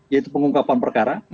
yaitu pengungkapan perkara